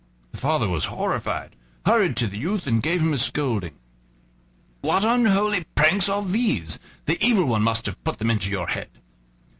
The father was horrified, hurried to the youth, and gave him a scolding. "What unholy pranks are these? The evil one must have put them into your head."